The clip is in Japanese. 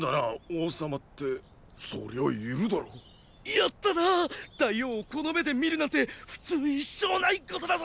やったな大王をこの目で見るなんてふつう一生ないことだぞ！